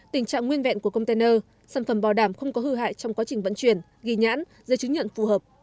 tình trạng nguyên vẹn của container sản phẩm bảo đảm không có hư hại trong quá trình vận chuyển ghi nhãn dây chứng nhận phù hợp